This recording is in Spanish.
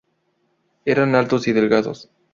Eran altos y delgados.